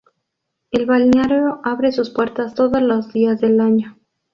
El balneario abre sus puertas todos los días del año.